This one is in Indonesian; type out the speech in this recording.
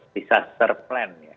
bisa ter plan ya